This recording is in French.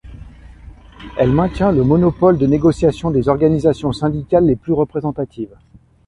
Elle maintient le monopole de négociation des organisations syndicales les plus représentatives.